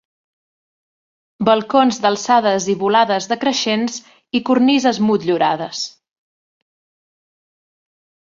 Balcons d'alçades i volades decreixents i cornises motllurades.